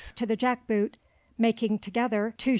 to the jack boot, making together 2s.